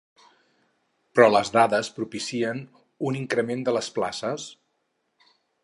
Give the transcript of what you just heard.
Però les dades propicien un increment de les places?